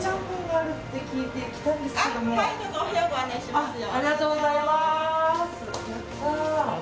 ありがとうございます。